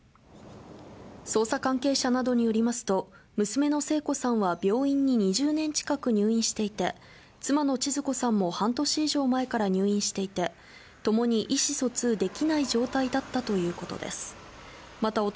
捜査関係者などによりますと、娘の聖子さんは病院に２０年近く入院していて、妻のちづ子さんも半年以上前から入院していて、ともに意思疎通できない状態だったということです。